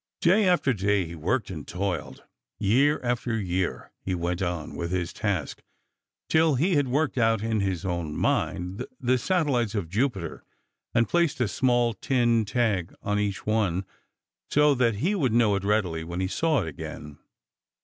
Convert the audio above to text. Day after day he worked and toiled. Year after year he went on with his task till he had worked out in his own mind the satellites of Jupiter and placed a small tin tag on each one, so that he would know it readily when he saw it again.